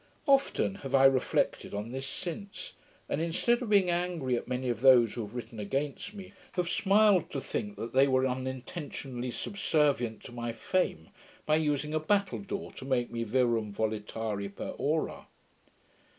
Often have I reflected on this since; and, instead of being angry at many of those who have written against me, have smiled to think that they were unintentionally subservient to my fame, by using a battledoor to make me virum volitare per ora.